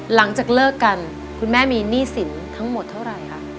หลังจากเลิกกันคุณแม่มีหนี้สินทั้งหมดเท่าไหร่คะ